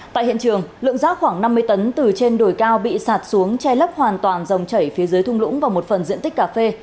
tại hiện trường lượng rác khoảng năm mươi tấn từ trên đồi cao bị sạt xuống che lấp hoàn toàn dòng chảy phía dưới thung lũng và một phần diện tích cà phê